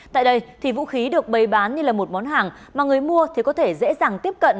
tại đây thì vũ khí được bày bán như là một món hàng mà người mua thì có thể dễ dàng tiếp cận